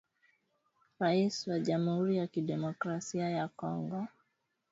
Raisi wa jamhuri ya kidemokrasia ya Kongo Felix Thisekedi alibadilisha